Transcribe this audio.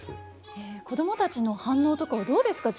子供たちの反応とかはどうですか？